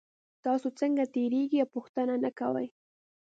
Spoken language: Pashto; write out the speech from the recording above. تاسو څنګه تیریږئ او پوښتنه نه کوئ